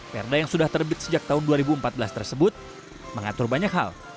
perda yang sudah terbit sejak tahun dua ribu empat belas tersebut mengatur banyak hal